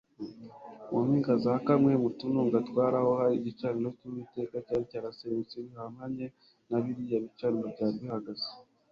Mu mpinga za kamwe mu tununga twari aho hari igicaniro cyUwiteka cyari cyarasenyutse bihabanye na biriya bicaniro byari bihagaze